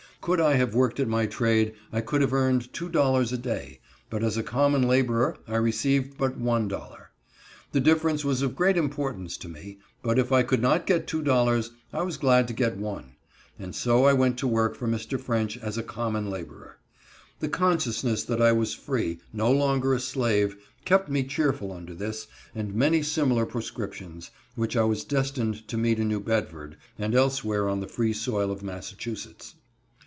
Could I have worked at my trade I could have earned two dollars a day, but as a common laborer I received but one dollar. The difference was of great importance to me, but if I could not get two dollars, I was glad to get one; and so I went to work for Mr. French as a common laborer. The consciousness that I was free—no longer a slave—kept me cheerful under this, and many similar proscriptions, which I was destined to meet in New Bedford and elsewhere on the free soil of Massachusetts.